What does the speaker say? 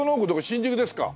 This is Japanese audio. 新宿ですか？